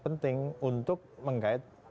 penting untuk mengait